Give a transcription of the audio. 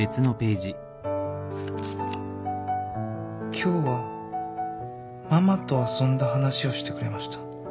「今日はママと遊んだ話をしてくれました」